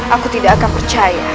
aku tidak akan percaya